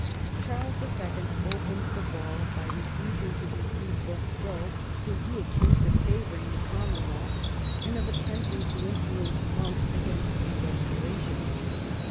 Charles II. opened the ball by refusing to receive Bordeaux, whom he accused of favouring the Common wealth and of attempting to influence Monk against a restoration.